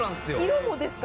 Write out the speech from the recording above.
色もですか？